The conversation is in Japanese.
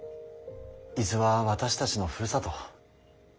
伊豆は私たちのふるさと。